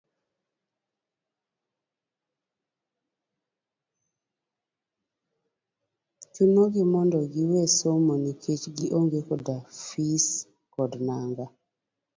chuno gi mondo giwe somo nikech gi onge koda fis kod nanga.